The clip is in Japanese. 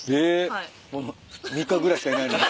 ３日ぐらいしかいないのに？